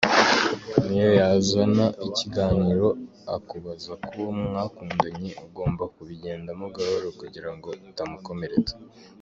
Niyo yazana ikiganiro akubaza kuwo mwakundanye ugomba kubigendamo gahoro kugira ngo utamukomeretsa.